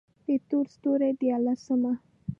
د تور ستوري ديارلسمه: